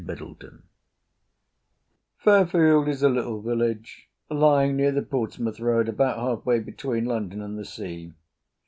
The Ghost Ship Fairfield is a little village lying near the Portsmouth Road about half way between London and the sea.